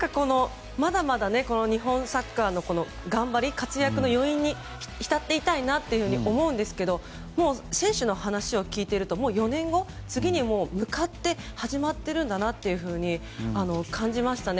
まだまだ日本サッカーの頑張り、活躍の余韻に浸っていたいなって思うんですけど選手の話を聞いていると４年後、次に向かって始まっているんだなと感じましたね。